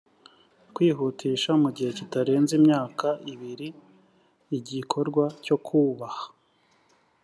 kwihutisha mu gihe kitarenze imyaka ibiri igikorwa cyo kubaha